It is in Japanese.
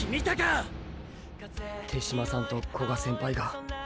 手嶋さんと古賀先輩が。